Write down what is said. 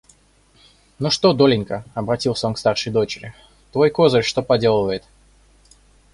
Ну что, Долинька, — обратился он к старшей дочери, — твой козырь что поделывает?